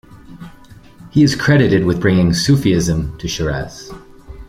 He is credited with bringing Sufism to Shiraz.